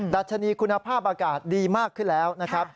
ดัชนีคุณภาพอากาศดีมากขึ้นแล้วนะครับ